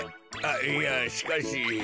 いやしかし。